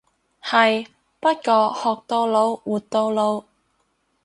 係，不過學到老活到老。